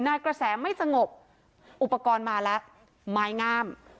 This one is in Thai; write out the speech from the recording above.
นายกระแสไม่สงบอุปกรณ์มาแล้วไม้งาม